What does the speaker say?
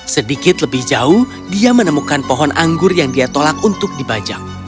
sedikit lebih jauh dia menemukan pohon anggur yang dia tolak untuk dibajak